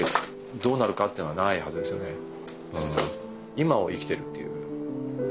今を生きてるっていう。